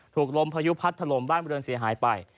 ลมพายุพัดถล่มบ้านบริเวณเสียหายไป